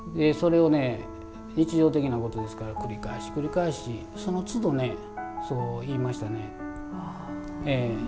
日常的なことですから繰り返し繰り返しそのつどそう言いましたね。